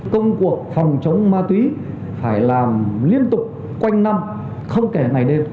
công cuộc phòng chống ma túy phải làm liên tục quanh năm không kể ngày đêm